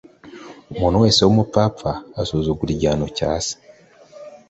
Umuntu wese w umupfapfa asuzugura igihano cya se.